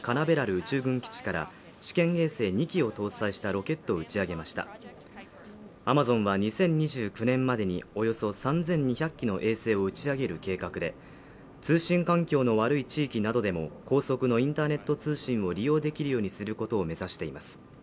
宇宙軍基地から試験衛星２基を搭載したロケットを打ち上げましたアマゾンは２０２９年までにおよそ３２００基の衛星を打ち上げる計画で通信環境の悪い地域などでも高速のインターネット通信を利用できるようにすることを目指しています